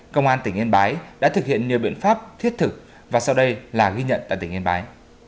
công an tỉnh yên bái đã thực hiện nhiều biện pháp thiết thực và sau đây là ghi nhận tại tỉnh yên bái